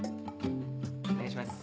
お願いします。